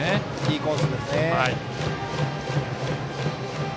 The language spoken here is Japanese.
いいコースですね。